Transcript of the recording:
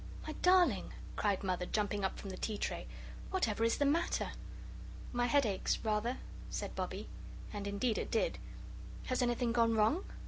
"My darling," cried Mother, jumping up from the tea tray, "whatever IS the matter?" "My head aches, rather," said Bobbie. And indeed it did. "Has anything gone wrong?"